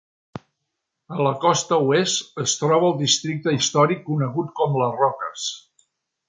A la costa oest es troba el districte històric conegut com Les Roques.